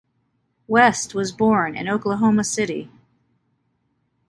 West was born in Oklahoma City.